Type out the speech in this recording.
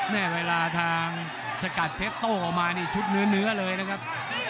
เวลาทางสกัดเพชรโต้ออกมานี่ชุดเนื้อเลยนะครับ